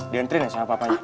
dientrin ya sama papanya